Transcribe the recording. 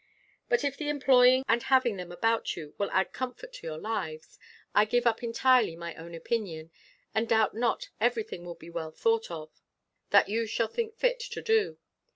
But if the employing and having them about you, will add comfort to your lives, I give up entirely my own opinion, and doubt not every thing will be thought well of, that you shall think fit to do.